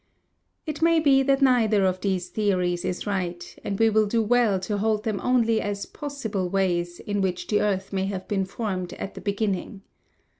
It may be that neither of these theories is right, and we will do well to hold them only as possible ways in which the earth may have been formed at the beginning.